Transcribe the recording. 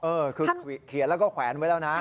เออคือเขียนแล้วก็แขวนไว้แล้วนะ